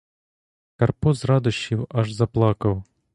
Карпо з радощів аж заплакав.